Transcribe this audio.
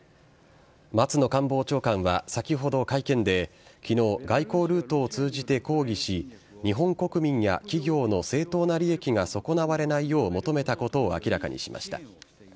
松野官房長官は先ほど会見で、きのう、外交ルートを通じて抗議し、日本国民や企業の正当な利益が損なわれないよう求めたことを明らかにしました。